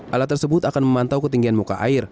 alat tersebut akan memantau ketinggian muka air